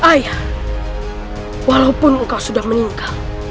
ayah walaupun engkau sudah menikah